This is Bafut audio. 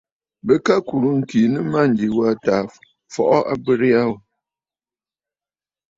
Bɨ kɨ kùrə̂ ŋ̀kì a nɨ mânjì was tǎ fɔʼɔ abərə ya ghu.